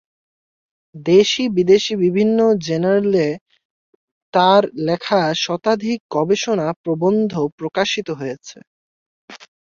দেশি- বিদেশি বিভিন্ন জার্নালে তার লেখা শতাধিক গবেষণা প্রবন্ধ প্রকাশিত হয়েছে।